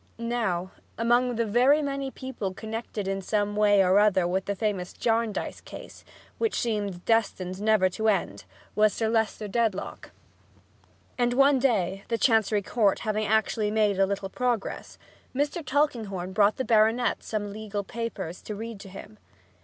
Now, among the very many persons connected in some way or other with the famous Jarndyce case, which seemed destined never to end, was Sir Leicester Dedlock, and one day (the Chancery Court having actually made a little progress) Mr. Tulkinghorn brought the baronet some legal papers to read to him.